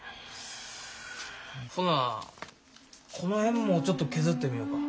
ほなこの辺もちょっと削ってみよか。